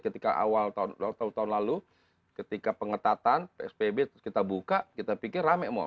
ketika awal tahun lalu ketika pengetatan spb kita buka kita pikir rame mal